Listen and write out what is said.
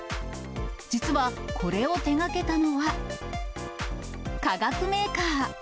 実は、これを手がけたのは、化学メーカー。